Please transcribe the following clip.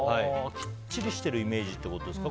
きっちりしているイメージってことですか？